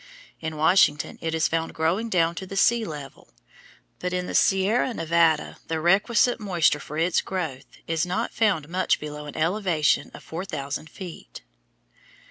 In Washington it is found growing down to the sea level, but in the Sierra Nevada the requisite moisture for its growth is not found much below an elevation of four thousand feet.